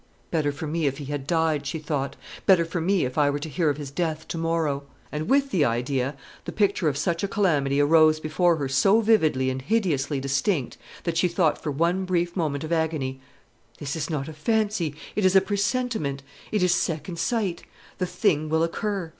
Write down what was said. "Better for me if he had died," she thought; "better for me if I were to hear of his death to morrow!" And with the idea the picture of such a calamity arose before her so vividly and hideously distinct, that she thought for one brief moment of agony, "This is not a fancy, it is a presentiment; it is second sight; the thing will occur."